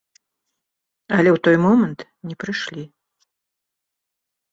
Але ў той момант не прыйшлі.